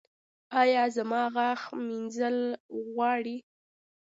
ایا زما غاښ مینځل غواړي؟